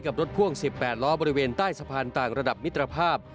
รถพ่วง๑๘ล้อบริเวณใต้สะพานต่างระดับมิตรภาพ